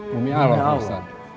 bumi allah pak ustadz